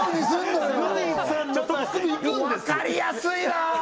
もう分かりやすいなあ！